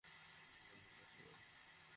ওর মাথা ঠিক ছিল না।